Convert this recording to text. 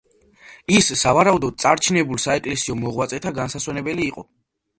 ის, სავარაუდოდ, წარჩინებულ საეკლესიო მოღვაწეთა განსასვენებელი იყო.